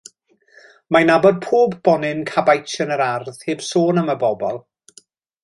Mae'n nabod pob bonyn cabaets yn yr ardd, heb sôn am y bobl.